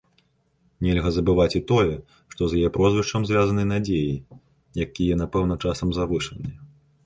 Нельга забываць і тое, што з яе прозвішчам звязаныя надзеі, якія напэўна часам завышаныя.